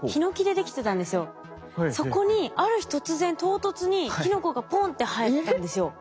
そこにある日突然唐突にキノコがポンって生えたんですよ。